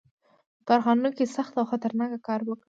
• په کارخانو کې سخت او خطرناک کار و.